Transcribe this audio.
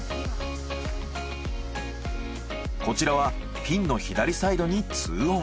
こちらはピンの左サイドに２オン。